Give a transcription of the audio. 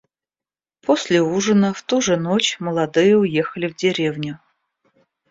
После ужина в ту же ночь молодые уехали в деревню.